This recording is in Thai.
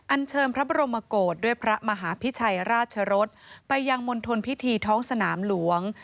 เชิญพระบรมโกรธด้วยพระมหาพิชัยราชรสไปยังมณฑลพิธีท้องสนามหลวง